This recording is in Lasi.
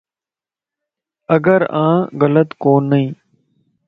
اگر آن غلط ڪونئين